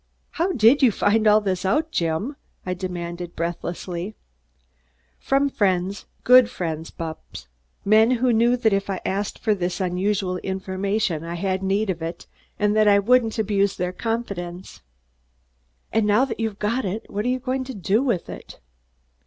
"How did you find all this out, Jim?" I demanded breathlessly. "From friends, good friends, Bupps. Men who knew that if I asked for this unusual information, I had need of it and that I wouldn't abuse their confidence." "And now that you've got it, what are you going to do with it?"